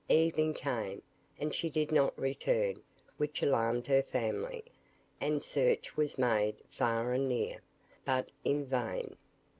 Evening came, and she did not return, which alarmed her family, and search was made far and near but in vain.